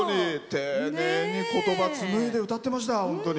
丁寧にことば紡いで歌ってました。